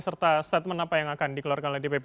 serta statement apa yang akan dikeluarkan oleh dpp